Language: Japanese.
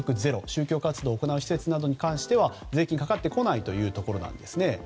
宗教活動を行う施設などに関しては税金かかってこないということなんですね。